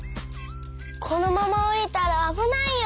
このままおりたらあぶないよ！